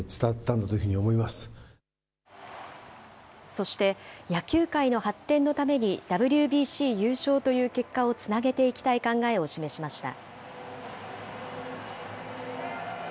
そして、野球界の発展のために、ＷＢＣ優勝という結果をつなげていきたい考えを示しました。